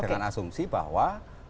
dengan asumsi bahwa